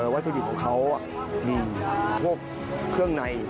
วัตถุดิบของเขามีพวกเครื่องใน